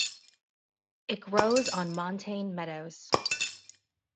It grows on montane meadows.